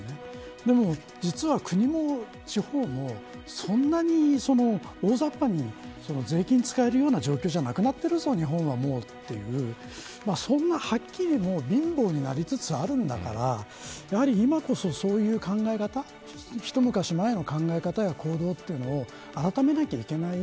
でも、実は国も地方もそんなに大ざっぱに税金を使えるような状況じゃなくなってるぞ日本は、もうというそんなはっきり貧乏になりつつあるんだから今こそ、そういう考え方一昔前の考え方や行動を改めないといけない。